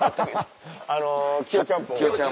あのキヨちゃんぽん。